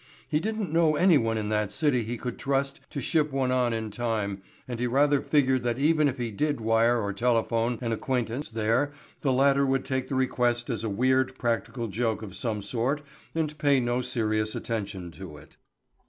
He didn't know anyone in that city he could trust to ship one on in time and he rather figured that even if he did wire or telephone an acquaintance there the latter would take the request as a weird practical joke of some sort and pay no serious attention to it.